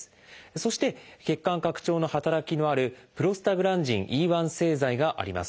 そして血管拡張の働きのあるプロスタグランジンＥ製剤があります。